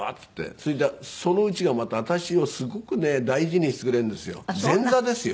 それでその家がまた私をすごくね大事にしてくれるんですよ。